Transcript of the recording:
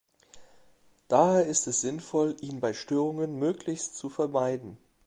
Daher ist es sinnvoll, ihn bei Störungen möglichst zu vermeiden.